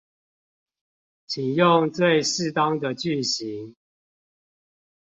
請用最適當的句型